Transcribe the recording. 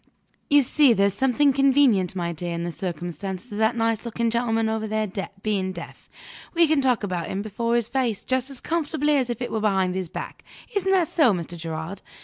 "You see there's something convenient, my dear, in the circumstance of that nice looking gentleman over there being deaf. We can talk about him before his face, just as comfortably as if it was behind his back. Isn't that so, Mr. Gerard?